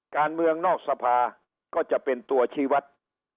การเมืองนอกสภาก็จะเป็นตัวชีวัตร